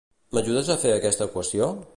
M'ajudes a fer aquesta equació?